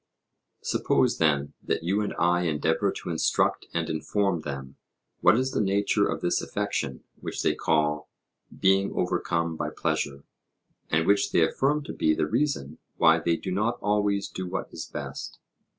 Suppose, then, that you and I endeavour to instruct and inform them what is the nature of this affection which they call 'being overcome by pleasure,' and which they affirm to be the reason why they do not always do what is best.